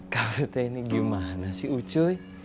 kak ute ini gimana sih ucuy